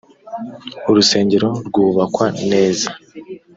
urusengero rwubakwa neza.